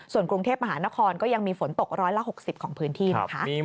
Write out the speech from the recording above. ส่วนกรุงเทพมหานครก็ยังมีฝนตกร้อยละ๖๐ของพื้นที่นะคะ